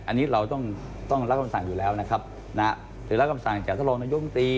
อันนี้เราต้องต้องรับคำสั่งอยู่แล้วนะครับนะได้รับคำสั่งจากท่านรองนายมตรี